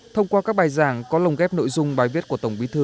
thông qua các bài giảng có lồng ghép nội dung bài viết của tổng bí thư